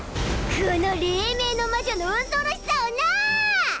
この黎明の魔女の恐ろしさをな！